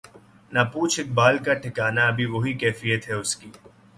نہ پوچھ اقبال کا ٹھکانہ ابھی وہی کیفیت ہے اس کی